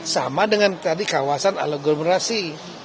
sama dengan tadi kawasan alaglomerasi